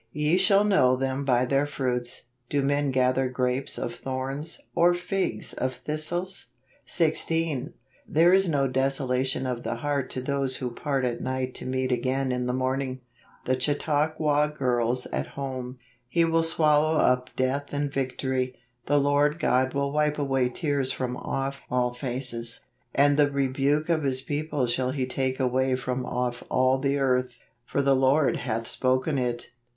" Ye shall know them by their fruits. Do men gather grapes of thorns , or figs of thistles ?" 16. "There is no desolation of heart to those who part at night to meet again in the morning." The Chautauqua Girls at Home. " He will swallow up death in victory; the Lord God will wipe away tears from off all faces ; and the rebuke of his people shall he take a way from off all the earth: for the Lord hath spoken it